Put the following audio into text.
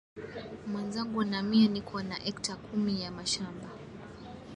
Mwenzangu na mie niko na ecta kumi ya mashamba